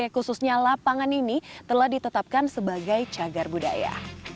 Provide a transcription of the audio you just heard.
khususnya lapangan ini telah ditetapkan sebagai cagar budaya